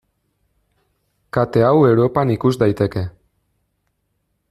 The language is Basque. Kate hau Europan ikus daiteke.